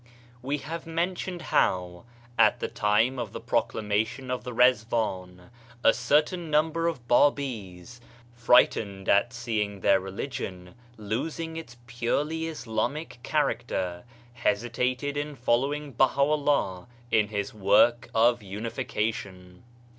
We have mentioned how, at the time of the proclamation of the Rizwan, a certain number of Babis — frightened at seeing their religion losing its purely Islamic character— hesitated in following BahaVUah in his work of unification.